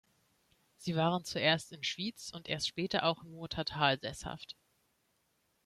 Sie waren zuerst in Schwyz und erst später auch im Muotathal sesshaft.